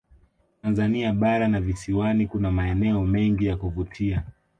tanzania bara na visiwani kuna maeneo mengi ya kuvutia